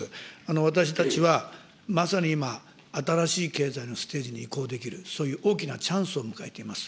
私たちはまさに今、新しい経済のステージに移行できる、そういう大きなチャンスを迎えています。